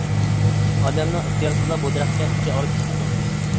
ئادەمنىڭ ئىختىيارسىزلا بۇ دەرەخكە ئىچى ئاغرىپ كېتىپتۇ.